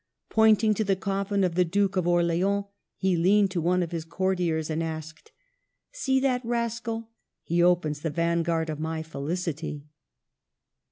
Pointing to the coffin of the Duke of Orleans, he leaned to one of his courtiers and asked, *' See you that rascal? He opens the vanguard of my felicity."